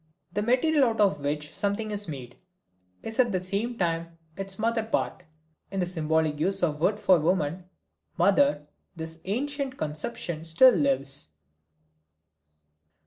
The material out of which something is made, is at the same time its mother part. In the symbolic use of wood for woman, mother, this ancient conception still lives.